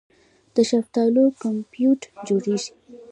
د شفتالو کمپوټ جوړیږي.